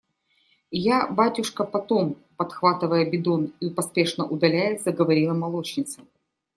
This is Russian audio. – Я, батюшка, потом. – подхватывая бидон и поспешно удаляясь, заговорила молочница.